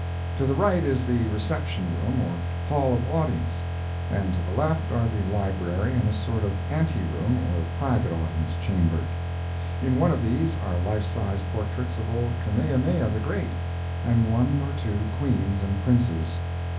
To the right is the reception room or hall of audience, and to the left are the library and a sort of anteroom or private audience chamber. In one of these are life size portraits of old Kamehameha the Great and one or two Queens and Princes.